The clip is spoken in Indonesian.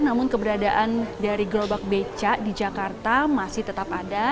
namun keberadaan dari gerobak beca di jakarta masih tetap ada